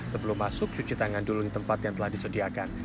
sebelum masuk cuci tangan dulu di tempat yang telah disediakan